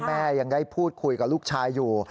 ยังได้พูดคุยกับลูกชายอยู่